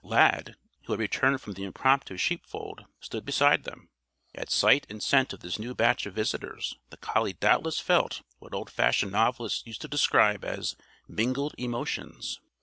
Lad, who had returned from the impromptu sheep fold, stood beside them. At sight and scent of this new batch of visitors the collie doubtless felt what old fashioned novelists used to describe as "mingled emotions."